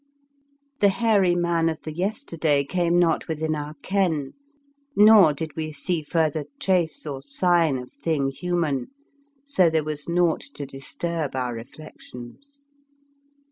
The hairy man of the yesterday came not within our ken, nor did we see further trace or sign of thing human, so there was naught to disturb our reflections.